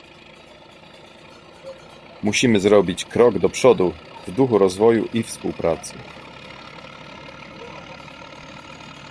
Musimy zrobić krok do przodu w duchu rozwoju i współpracy